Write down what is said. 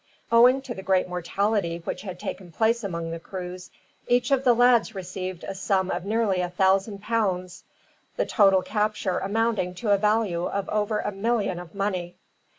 Owing to the great mortality which had taken place among the crews, each of the lads received a sum of nearly a thousand pounds, the total capture amounting to a value of over a million of money.